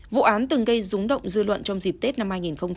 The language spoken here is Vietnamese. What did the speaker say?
vụ án từng gây rúng động dư luận trong dịp tết năm hai nghìn một mươi chín